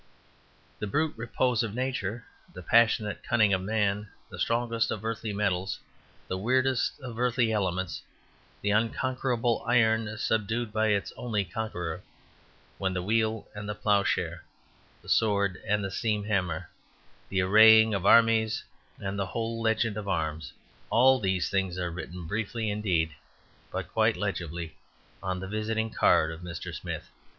The brute repose of Nature, the passionate cunning of man, the strongest of earthly metals, the wierdest of earthly elements, the unconquerable iron subdued by its only conqueror, the wheel and the ploughshare, the sword and the steam hammer, the arraying of armies and the whole legend of arms, all these things are written, briefly indeed, but quite legibly, on the visiting card of Mr. Smith.